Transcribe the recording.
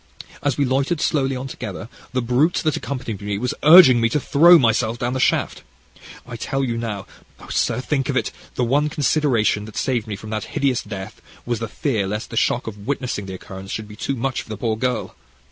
As we loitered slowly on together, the brute that accompanied me was urging me to throw myself down the shaft. I tell you now oh, sir, think of it! the one consideration that saved me from that hideous death was the fear lest the shock of witnessing the occurrence should be too much for the poor girl.